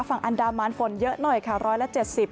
ฝั่งอันดามันฝนเยอะหน่อยค่ะร้อยละ๗๐